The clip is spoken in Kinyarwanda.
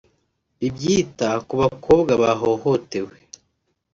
ibyita ku bakobwa bahohotewe